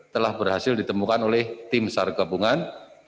telah berhasil ditemukan oleh tim sarkebungan